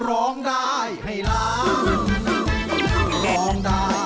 ร้องได้ให้ล้าน